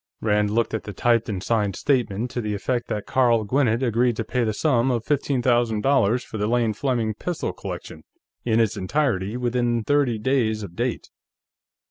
Rand looked at the typed and signed statement to the effect that Carl Gwinnett agreed to pay the sum of fifteen thousand dollars for the Lane Fleming pistol collection, in its entirety, within thirty days of date.